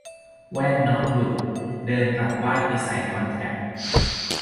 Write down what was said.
แว่นน็อตหลุด เดินกลับบ้านไปใส่คอนแทค